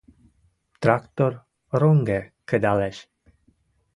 Трактор рунге кыдалеш